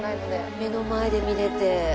目の前で見れて。